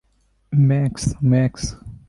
Max, max.